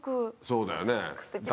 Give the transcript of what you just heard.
そうだよね。